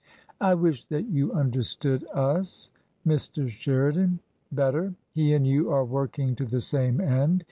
"I wish that you understood us — Mr. Sheridan — better. He and you are working to the same end.